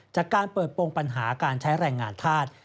จากการเปิดโปรงปัญหาการใช้แรงงานธาตุ